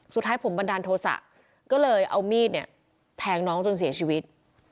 สุดท้ายผมบันดาลโทษะก็เลยเอามีดเนี่ยแทงน้องจนเสียชีวิต